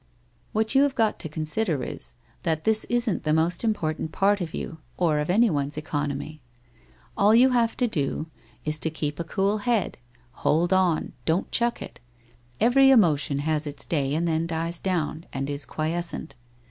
What you have got to consider is, that this isn't the most important part of you, or of anyone's economy. All you have to do, is to keep a cool head, hold on, don't chuck it. Every emotion has its day and then dies down, and is quiescent.